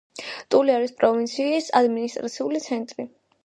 ტულიარის პროვინციის ადმინისტრაციული ცენტრი.